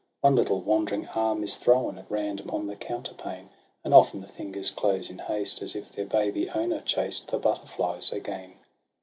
One little wandering arm is thrown At random on the counterpane, And often the fingers close in haste As if their baby owner chased The butterflies again.